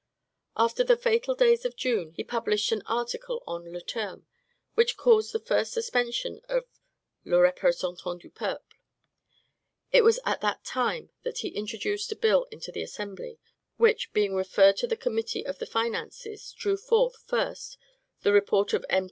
After the fatal days of June, he published an article on le terme, which caused the first suspension of "Le Representant du Peuple." It was at that time that he introduced a bill into the Assembly, which, being referred to the Committee on the Finances, drew forth, first, the report of M.